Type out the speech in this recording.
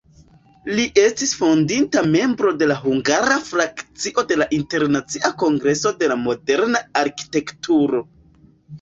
Li estis fondinta membro de hungara frakcio de Internacia Kongreso de Moderna Arkitekturo.